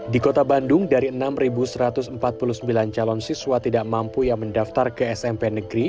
di kota bandung dari enam satu ratus empat puluh sembilan calon siswa tidak mampu yang mendaftar ke smp negeri